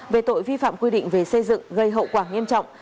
về tội vi phạm quy định về xây dựng gây hậu quả nghiêm trọng